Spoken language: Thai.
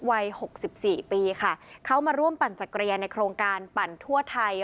หกสิบสี่ปีค่ะเขามาร่วมปั่นจักรยานในโครงการปั่นทั่วไทย